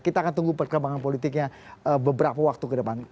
kita akan tunggu perkembangan politiknya beberapa waktu ke depan